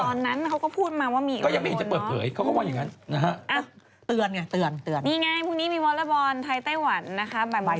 อย่ามาดูถูกตำรวจปรับปรับยาเสพติดว่าทำงานไม่จริงอะไรอย่างนี้เลย